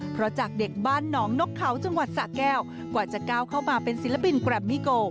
เพราะจากเด็กบ้านหนองนกเขาจังหวัดสะแก้วกว่าจะก้าวเข้ามาเป็นศิลปินแกรมมี่โก